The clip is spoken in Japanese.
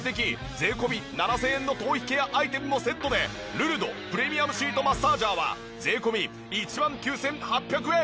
税込７０００円の頭皮ケアアイテムもセットでルルドプレミアムシートマッサージャーは税込１万９８００円。